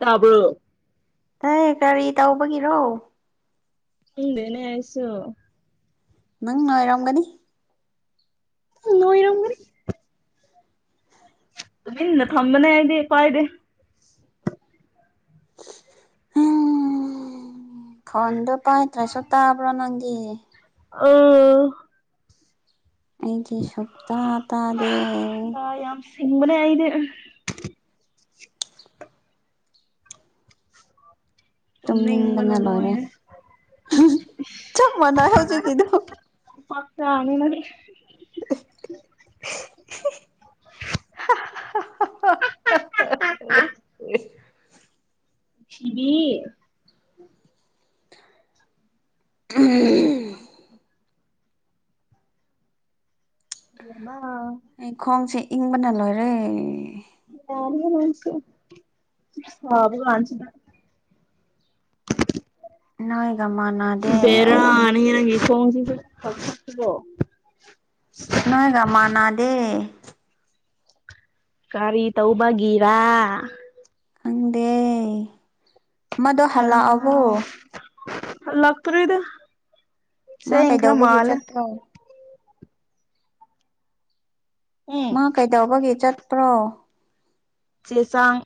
ꯇꯥꯕ ꯑꯦ ꯀꯔꯤ ꯇꯧꯕꯒꯤꯔꯣ ꯍꯪꯗꯦꯅꯦ ꯍꯥꯏꯁꯣ ꯅꯪ ꯉꯥꯏꯔꯝꯒꯅꯤ ꯅꯣꯣꯏꯔꯝꯒꯅꯤ ꯟ ꯊꯝꯕꯅꯦ ꯍꯥꯏꯗꯤ ꯀꯥꯏꯗꯤꯦ ꯈꯣꯟꯗꯣ ꯄꯥꯏ ꯇ꯭ꯔꯥꯏꯁꯨ ꯇꯥꯕ꯭ꯔꯣ ꯅꯪꯗꯤ ꯑꯥ ꯑꯩꯗꯤ ꯁꯨꯞꯇ ꯇꯥꯔꯦ ꯁꯤꯃꯔ ꯑꯏꯩꯅ ꯇꯨꯝꯅꯤꯡꯕꯅ ꯇꯅꯂꯣꯔꯦ ꯂꯣꯏꯔꯦ ꯆꯞ ꯃꯥꯟꯅꯩ ꯍꯧꯖꯤꯛꯀꯤꯗꯨ ꯄꯥꯛꯀ ꯑꯅꯤ ꯃꯥ [inaudible] [inaudible] ꯑ ꯁꯤꯚ [inaudible] ꯑꯃ ꯑꯩ ꯈꯣꯡꯁꯦ ꯏꯪꯕꯅ ꯂꯣꯏꯔꯦ ꯌꯥꯅꯤꯁꯤꯕ ꯀꯥꯟꯁꯤꯗ [inaudible] ꯅꯣꯏꯣꯏꯒꯃꯅꯥꯗꯦ ꯑꯩ ꯊꯣꯡ ꯂꯣꯟꯖꯤꯜꯒꯔ ꯍꯜꯂꯛꯇꯔꯤꯕꯣ ꯅꯣꯏ ꯔꯥꯃꯅꯥꯗꯤ ꯀꯔꯤ ꯇꯧꯕꯒꯤꯔꯥ ꯈꯪꯗꯦ ꯃꯗꯣ ꯍꯜꯂꯛꯑꯕꯣ ꯍꯜꯂꯛꯇꯔꯤꯗ ꯃꯥ ꯀꯩꯗꯧꯕꯒꯤ ꯆꯦꯟꯈꯔꯃꯥꯂꯤ ꯆꯠꯄ꯭ꯔꯣ ꯎꯝ ꯃꯥ ꯀꯩꯗꯧꯕꯒꯤ ꯆꯠꯄ꯭ꯔꯣ ꯆꯦ ꯆꯥꯡ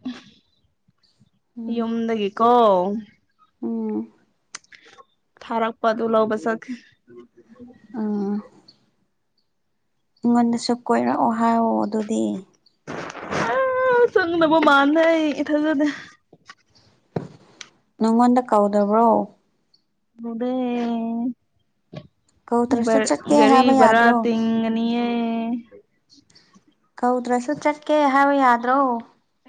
ꯎꯝ ꯌꯨꯝꯗꯒꯤꯀꯣ ꯎꯝ ꯊꯔꯛꯄ ꯑꯗꯨꯂꯧꯕ ꯆꯠꯈꯤ ꯑꯥ ꯑꯩꯉꯣꯟꯗꯁꯨ ꯀꯣꯏꯔꯛꯑꯣ ꯍꯥꯏꯑꯣ ꯑꯗꯨꯗꯤ ꯑ ꯆꯠꯅꯤꯡꯗꯕ ꯃꯥꯜꯂꯦ ꯏꯊꯟꯗꯅꯦ ꯅꯪꯉꯣꯟꯗ ꯀꯧꯗꯕ꯭ꯔꯣ ꯀꯧꯗꯦ ꯀꯧꯗ꯭ꯔꯁꯨ ꯆꯠꯀꯦ ꯒꯥꯔꯤ ꯍꯥꯏꯕ ꯕꯥꯔ ꯌꯥꯗ꯭ꯔꯣ ꯊꯤꯡꯒꯅꯤꯌꯦ ꯀꯧꯗ꯭ꯔꯁꯨ ꯆꯠꯀꯦ ꯍꯥꯏꯕ ꯌꯥꯗ꯭ꯔꯣ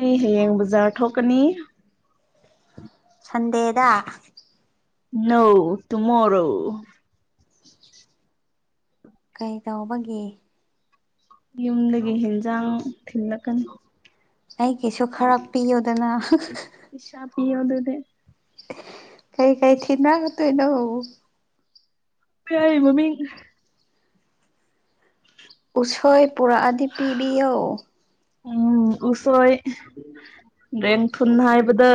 ꯑꯩ ꯍꯌꯦꯡ ꯕꯖꯥꯔ ꯊꯣꯛꯀꯅꯤ ꯁꯟꯗꯦꯗ ꯅꯣ ꯇꯨꯃꯣꯔꯣ ꯀꯩ ꯇꯧꯕꯒꯤ ꯌꯨꯝꯗꯒꯤ ꯍꯦꯟꯖꯥꯡ ꯊꯤꯜꯂꯛꯀꯅꯤ ꯑꯩꯒꯤꯁꯨ ꯈꯔ ꯄꯤꯌꯨꯗꯅ ꯄꯩꯁꯥ ꯄꯤꯌꯣ ꯑꯗꯨꯗꯤ ꯀꯩ ꯀꯩ ꯊꯤꯟꯂꯛꯇꯧꯔꯤꯅꯣ ꯃꯃꯤꯡ ꯎꯁꯣꯏ ꯄꯨꯔꯛꯑꯗꯤ ꯄꯤꯕꯤꯌꯣ ꯎꯝ ꯎꯁꯣꯏ ꯔꯦꯡꯊꯨꯟ ꯍꯥꯏꯕꯗꯣ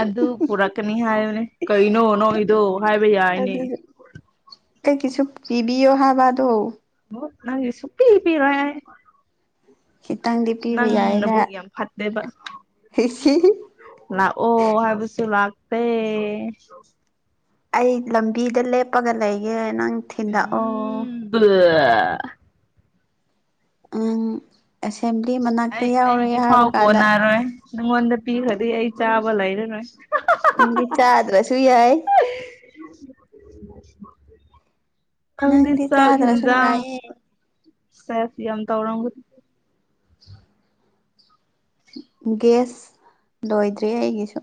ꯑꯗꯨ ꯄꯨꯔꯛꯀꯅꯤ ꯍꯥꯏ ꯀꯩꯅꯣ ꯅꯣꯛꯏꯗꯣ ꯍꯥꯏꯕ ꯌꯥꯏꯅꯦ ꯑꯗꯨ ꯑꯩꯒꯤꯁꯨ ꯄꯤꯕꯤꯌꯨ ꯍꯥꯏꯕ ꯑꯗꯣ ꯅꯪ ꯁꯨꯄꯤ ꯄꯤꯔꯣꯏ ꯈꯤꯇꯪꯗꯤ ꯄꯤꯕ ꯅꯪ ꯌꯥꯏꯗ ꯅꯕꯨꯛ ꯌꯥꯝ ꯐꯠꯇꯦꯕ ꯂꯥꯛꯑꯣ ꯍꯥꯏꯕꯁꯨ ꯂꯥꯛꯇꯦ ꯑꯩ ꯂꯝꯕꯤꯗ ꯂꯦꯞꯄꯒ ꯂꯩꯒꯦ ꯅꯪ ꯊꯤꯟꯂꯛꯑꯣ ꯑ ꯑꯪ ꯑꯩ ꯑꯩꯒꯤ ꯐꯥꯎ ꯀꯥꯟꯗ ꯀꯣꯟꯅꯔꯣꯏ ꯅꯉꯣꯟꯗ ꯄꯤꯈ꯭ꯔꯗꯤ ꯑꯩ ꯆꯥꯕ ꯂꯩꯔꯔꯣꯏ ꯅꯪꯗꯤ ꯆꯥꯗ꯭ꯔꯁꯨ ꯌꯥꯏ ꯅꯪꯗꯤ ꯆꯥꯛ ꯆꯥꯗ꯭ꯔꯁꯨ ꯍꯟꯖꯥꯡ ꯌꯥꯏꯌꯦ ꯁꯦꯐ ꯌꯥꯝ ꯇꯧꯔꯝꯒ ꯒꯦꯁ ꯂꯣꯏꯗ꯭ꯔꯤ ꯑꯩꯒꯤꯁꯨ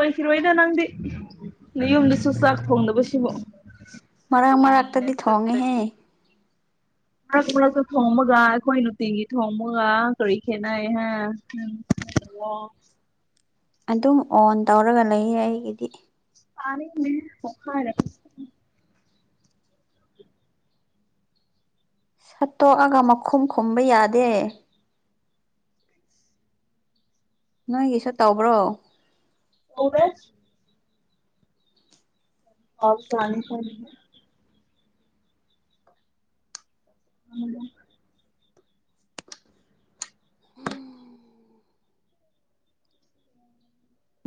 ꯑꯣꯏꯈꯤꯔꯣꯏꯗ ꯅꯪꯗꯤ ꯅꯥꯌꯨꯝꯗꯁꯨ ꯆꯥꯛ ꯊꯣꯡꯗꯕꯁꯤꯕꯨ ꯃꯔꯛ ꯀꯨꯏꯅ ꯃꯔꯛꯇꯗꯤ ꯆꯠꯇ꯭ꯔꯗꯤ ꯊꯣꯡꯉꯤꯍꯦ [inaudible] ꯃꯔꯛ ꯃꯔꯛꯇ ꯊꯣꯡꯕꯒ ꯑꯈꯣꯏ ꯅꯨꯡꯇꯤꯟꯒꯤ ꯊꯣꯡꯕꯒ ꯀꯔꯤ ꯈꯦꯠꯅꯩ ꯍꯥꯏ ꯎꯝ ꯋꯥ ꯑꯗꯨꯝ ꯑꯣꯟ ꯇꯧꯔꯒ ꯂꯩꯌꯦ ꯑꯩꯒꯤꯗꯤ ꯇꯥꯅꯤꯡꯗꯦꯍꯦ ꯁꯠꯇꯣꯛꯑꯒ ꯃꯈꯨꯝ ꯈꯨꯝꯕ ꯌꯥꯗꯦ ꯅꯣꯏꯒꯤꯁꯨ ꯇꯧꯕ꯭ꯔꯣ ꯑꯣꯔꯖ ꯑ ꯁꯅꯤ ꯈ ꯍꯗꯣ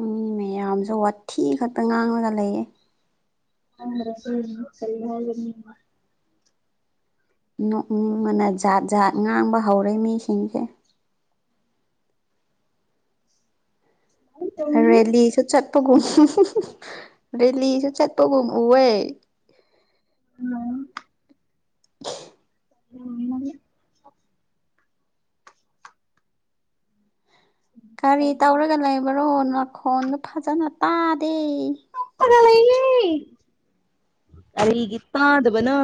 ꯃꯤ ꯃꯌꯥꯝꯁꯨ ꯋꯥꯊꯤ ꯈꯠꯄ ꯉꯥꯡꯂꯒ ꯂꯩꯌꯦ ꯑꯗ꯭ꯔ ꯍ ꯀꯌꯥ ꯅꯣꯛꯅꯤꯡ ꯃꯅ ꯖꯥꯠ ꯖꯥꯠ ꯉꯥꯡꯕ ꯍꯧꯔꯦ ꯃꯤꯁꯤꯡꯁꯦ ꯇꯧꯅꯤꯡꯉꯤ ꯔꯦꯂꯤ ꯆ ꯆꯠ ꯆꯠꯄꯒꯨꯝ ꯔꯦꯂꯤꯁꯨ ꯆꯠꯄꯒꯨꯝ ꯎꯦ ꯍꯂꯣ ꯎꯝ ꯀꯒꯥꯔꯤ ꯇꯧꯔꯒ ꯂꯩꯕꯔꯣ ꯅꯅꯥꯈꯣꯟꯗꯨ ꯐꯖꯅ ꯇꯥꯗꯦ ꯂꯩ ꯀꯔꯤꯒꯤ ꯇꯥꯗꯕꯅꯥ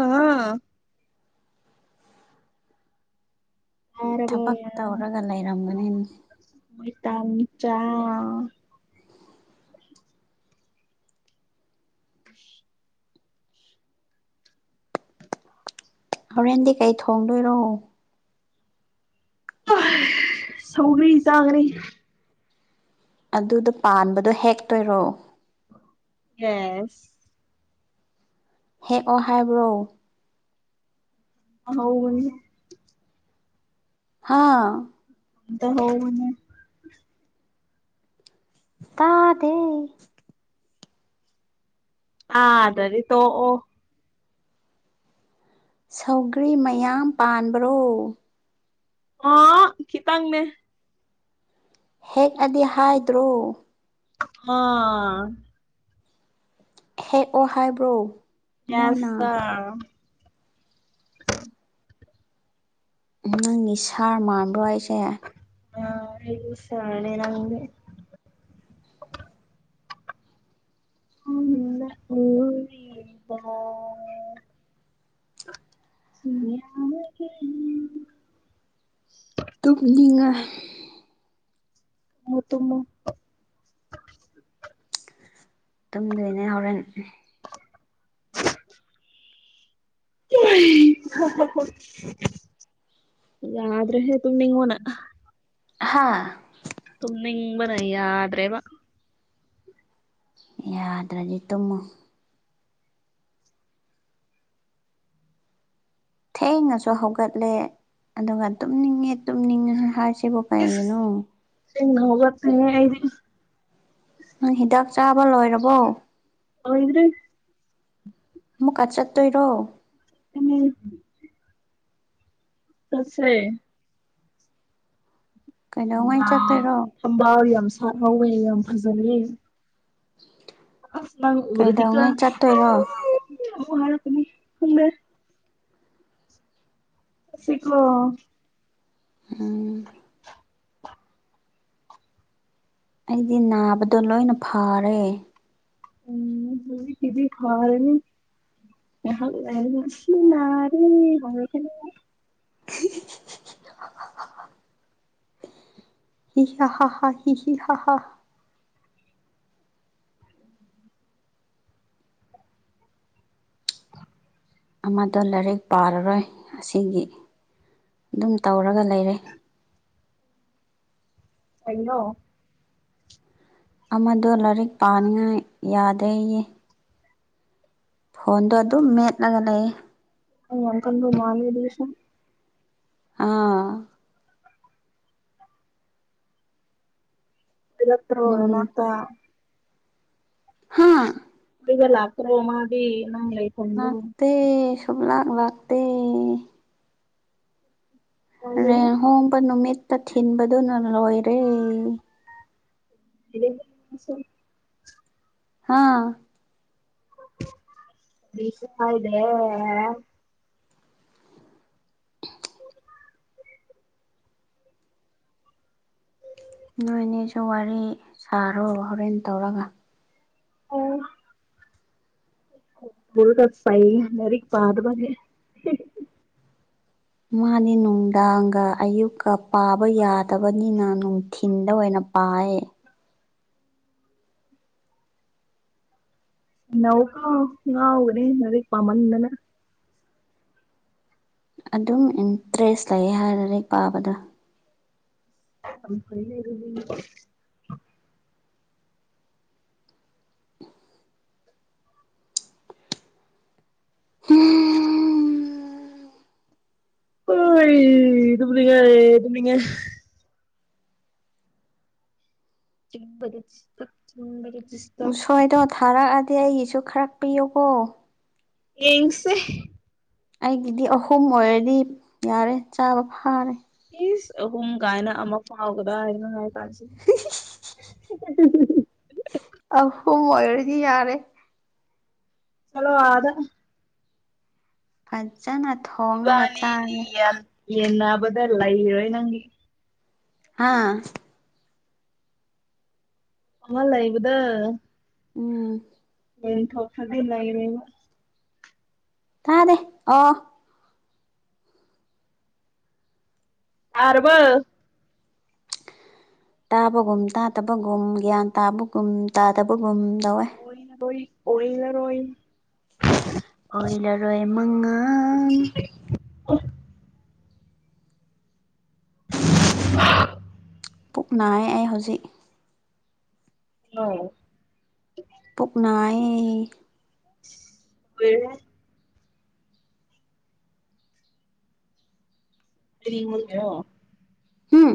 ꯇꯥꯔꯕꯣ ꯊꯕꯛ ꯇꯧꯔꯒ ꯂꯩꯔꯝꯒꯅꯤꯅ ꯃꯣꯏ ꯇꯝ ꯆꯥ ꯈꯁ ꯍꯣꯔꯦꯟꯗꯤ ꯀꯩ ꯊꯣꯡꯗꯣꯏꯔꯣ ꯁꯧꯅꯦ ꯆꯥꯡꯈ꯭ꯔꯦ ꯑꯗꯨꯗꯣ ꯄꯥꯟꯕꯗꯣ ꯍꯦꯛꯇꯣꯏꯔꯣ ꯌꯦꯁ ꯍꯦꯛꯑꯣ ꯍꯥꯏꯕ꯭ꯔꯣ ꯍꯅꯦ ꯍꯥꯥ ꯑꯗ ꯍ ꯇꯥꯗꯦ ꯑ ꯑꯗꯔꯤ ꯇꯣ ꯑꯣ ꯁꯧꯒ꯭ꯔꯤ ꯃꯌꯥꯝ ꯄꯥꯟꯕ꯭ꯔꯣ ꯑꯥ ꯈꯈꯤꯇꯪꯅꯦ ꯍꯦꯛꯑꯗꯤ ꯍꯥꯏꯗ꯭ꯔꯣ ꯑꯥ ꯍꯦꯛꯑꯣ ꯍꯥꯏꯕ꯭ꯔꯣ ꯃꯣꯏꯅ ꯌꯥꯁ ꯅꯪꯒꯤ ꯁꯥꯔ ꯃꯥꯟꯕ꯭ꯔꯣ ꯍꯥꯏꯁꯦ ꯑꯁꯅꯦꯦ ꯅꯪ ꯑ ꯎꯗ ꯎꯝꯝ ꯇꯨꯡꯅꯤꯡꯉ ꯇꯃꯨ ꯇꯨꯝꯃꯨ ꯇꯨꯝꯗꯣꯏꯅ ꯌꯥꯎꯔꯅꯤ [unintelligible] [unintelligible] ꯭ꯔꯦ ꯇꯨꯝꯅꯤꯉ ꯋꯥꯅ ꯍꯥꯥ ꯇꯃꯅꯤ ꯍꯤꯡꯕꯅ ꯌꯥꯗ꯭ꯔꯦꯕ ꯌꯥꯗ꯭ꯔꯗꯤ ꯇꯃ ꯊꯦꯡꯉꯁꯨ ꯍꯧꯒꯠꯂꯦ ꯑꯗꯨꯒ ꯇꯨꯝꯅꯤꯡꯉꯦ ꯇꯨꯝꯅꯤꯡꯉ ꯍꯥꯏꯁꯤꯦ ꯊꯕ ꯄꯌꯦꯒꯦ ꯅꯣ ꯦꯡ ꯍꯕꯅꯦꯗꯤ ꯎ ꯍꯤꯗꯥꯛ ꯆꯥꯕ ꯂꯣꯏꯔꯕꯣ ꯑ ꯏ꯭ꯔꯦ ꯃꯨꯛꯀꯥ ꯆꯠꯇꯣꯏꯔꯣ ꯑ ꯇꯁꯦ ꯀꯩꯗꯧꯉꯩ ꯊꯝꯕ ꯆꯠꯇꯣꯏꯔꯣ ꯊꯝꯕ ꯌꯥꯝ ꯁꯥꯍꯥꯎꯋꯦ ꯌꯥꯝ ꯐꯖꯂ ꯀꯩꯗꯧꯉꯩ ꯎꯔꯗꯤꯀꯔꯅꯤ ꯆꯠꯇꯣꯏꯔꯣ ꯎꯃꯦ ꯁꯤꯈꯣ ꯎꯝ ꯑꯩꯗꯤ ꯅꯥꯕꯗꯣ ꯂꯣꯏꯅ ꯐꯔꯦ ꯎꯝ ꯍꯧ ꯀꯗꯤ ꯈꯥꯔꯅꯤ ꯍꯔꯦ [inaudible] ꯍꯤ ꯍ ꯍ ꯍ ꯍꯤ ꯍ ꯍ ꯍꯥ ꯑꯃꯗ ꯂꯥꯏꯔꯤꯛ ꯄꯥꯔꯔꯣꯏ ꯑꯁꯤꯒꯤ ꯑꯗꯨꯝ ꯇꯧꯔꯒ ꯂꯩꯔꯦ ꯎ ꯀꯩꯅꯣ ꯑꯃꯗꯣ ꯂꯥꯏꯔꯤꯛ ꯄꯥꯅꯤꯡꯉꯥꯏ ꯌꯥꯗꯦꯌꯦ ꯐꯣꯟꯗꯣ ꯑꯗꯨꯝ ꯃꯦꯠꯂꯒ ꯂꯩ ꯑ ꯌꯥꯝ ꯀ ꯃꯥꯅꯦꯗꯤꯁ ꯑꯥ ꯔꯠꯇ ꯅꯨꯡ ꯑꯣꯏ ꯃꯥꯠꯇ ꯍꯥꯥ ꯒꯂꯥꯛ ꯀ꯭ꯔꯣꯃꯗꯤ ꯂꯅꯥꯥꯛꯇ ꯁꯕ ꯂꯥꯛ ꯂꯇ ꯔꯦꯟꯍꯣꯡꯕ ꯅꯨꯃꯤꯠꯇ ꯊꯤꯟꯕꯗꯨꯅ ꯂꯣꯏꯔꯦ ꯁ ꯍꯥꯥ ꯗꯦ ꯅꯣꯏꯅꯦꯁꯨ ꯋꯥꯔꯤ ꯁꯥꯔꯣ ꯍꯣꯔꯦꯟ ꯇꯧꯔꯒ ꯑꯣ ꯍ ꯇ ꯐꯥꯏ ꯃꯔꯤ ꯄꯥꯗꯕꯅꯦ ꯃꯥꯅꯤ ꯅꯨꯡꯗꯥꯡꯒ ꯑꯌꯨꯛꯀ ꯄꯥꯕ ꯌꯥꯗꯕꯅꯤꯅ ꯅꯨꯡꯊꯤꯤꯟꯗ ꯑꯣꯏꯅ ꯎꯄꯑ ꯀ ꯉ ꯎꯔꯦ ꯃꯗꯤꯦ ꯄꯥꯃꯅꯤ ꯏꯅ ꯑꯗꯨꯝ ꯏꯟꯇꯔꯦꯁ ꯂꯩ ꯍꯥꯏꯔꯗꯤ ꯄꯥꯕꯗ ꯑꯅ [unintelligible] ꯍ ꯏꯕꯨꯉ ꯏꯉ [unintelligible] ꯎꯁꯣꯏꯗꯣ ꯊꯥꯔꯛꯑꯗꯤ ꯑꯩꯒꯤꯁꯨ ꯈꯔꯛ ꯄꯤꯌꯨꯀꯣ ꯌꯦꯡꯁꯦ ꯑꯩꯒꯤꯗꯤ ꯑꯍꯨꯝ ꯑꯣꯏꯔꯗꯤ ꯌꯥꯔꯦ ꯆꯥꯕ ꯐꯥꯔꯦ ꯄ ꯑꯍꯨꯝ ꯀꯥꯏꯅ ꯑꯃ ꯐꯥꯎꯒꯗ꯭ꯔꯥ ꯍꯥꯏꯅꯉꯥꯏ ꯇꯥꯁꯤ [inaudible] ꯑ ꯃꯣꯏꯔꯁꯤ ꯌꯥꯔꯦ ꯆꯂꯣꯗ ꯐꯖꯅ ꯊꯣꯡꯉꯒ ꯏꯕꯥꯅꯤꯒꯤ ꯆꯥꯉꯦ ꯌꯥꯟ ꯌꯦꯟꯅꯕꯗ ꯂ ꯏꯔꯣꯣꯏ ꯅꯪꯒꯤ ꯍꯥꯥ ꯑꯉ ꯂꯩ ꯏꯕꯨꯗ ꯎꯝ ꯌꯦꯟꯄꯗꯤꯂ ꯏꯅꯦ ꯇꯥꯅꯦꯦ ꯑꯣ ꯇꯔꯔꯕ ꯇꯥꯕꯒꯨꯝ ꯇꯥꯗꯕꯒꯨꯝ ꯒ꯭ꯌꯥꯟ ꯇꯥꯕꯒꯨꯝ ꯇꯥꯗꯕꯒꯨꯝ ꯇꯧꯋꯦ ꯔꯣ ꯀꯅ ꯔꯣ ꯇꯃ ꯑ ꯑ ꯄꯨꯛꯅ ꯑꯩ ꯍꯧꯖꯤꯛ ꯑ ꯄꯨꯛꯅꯥꯏ ꯀꯔ ꯁꯤꯔꯤꯉꯣ ꯍꯝ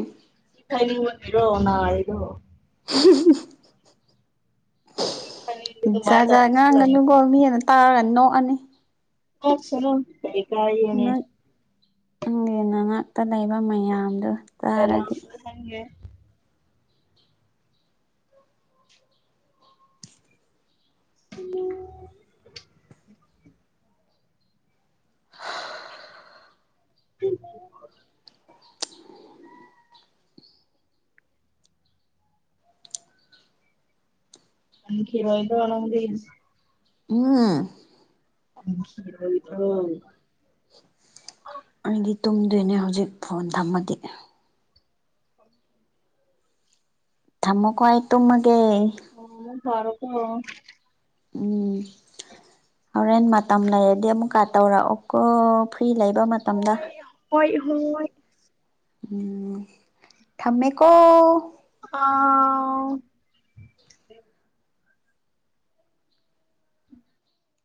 ꯀꯥꯏꯅꯤꯡꯔꯣ ꯅꯔꯣ ꯁꯤ ꯐꯥꯏꯅꯤꯡꯕꯒꯤ ꯖꯥꯠ ꯑꯗꯨꯃꯥꯏꯅ ꯖꯥ ꯇꯧꯕꯁꯨ ꯉꯥꯡꯉꯅꯨꯀꯣ ꯂꯩꯕꯅꯦ ꯃꯤꯑꯅ ꯇꯥꯔꯅꯤ ꯅꯣꯛꯑꯅꯤ ꯑ ꯁꯔꯣ ꯀꯔꯤ ꯀꯅꯦ ꯅꯪ ꯅꯪꯒꯤ ꯅꯅꯥꯛꯇ ꯂꯩꯕ ꯃꯌꯥꯝꯗꯨꯣ ꯚꯥꯏꯔꯦꯜ ꯇꯥꯔꯗꯤ ꯆꯠꯍꯟꯒꯦ ꯎꯝ ꯎ ꯑ ꯀꯤꯔꯣꯏꯗ ꯋꯥꯅꯗ ꯎꯝ [unintelligible] ꯑꯩꯗꯤ ꯇꯨꯝꯗꯣꯏꯅꯦ ꯍꯧꯖꯤꯛ ꯐꯣꯟ ꯊꯝꯃꯗꯤ ꯊꯃꯀꯣ ꯍꯥꯏ ꯇ ꯃ ꯑꯣ ꯐꯔ ꯀ ꯍ ꯎꯝ ꯍꯣꯔꯦꯟ ꯃꯇꯝ ꯂꯩꯔꯗꯤ ꯑꯃꯨꯛꯀ ꯇꯧꯔꯛꯑꯣꯀꯣ ꯐ꯭ꯔꯤ ꯂꯩꯕ ꯃꯇꯝꯗ ꯍ ꯎꯝ ꯊꯃꯦꯀꯣ ꯑꯥ